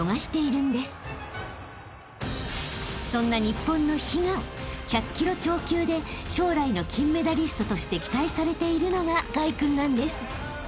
［そんな日本の悲願１００ｋｇ超級で将来の金メダリストとして期待されているのが凱君なんです］